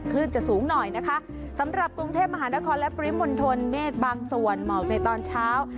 คลื่นจะสูงหน่อยนะคะสำหรับกรุงเทพมหานครและปริมณฑลเมฆบางส่วนหมอกในตอนเช้า